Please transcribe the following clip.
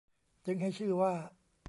จึงให้ชื่อว่า